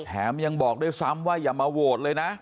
แถมยังบอกด้วยซ้ำว่าอย่ามาโหวตเลยนะ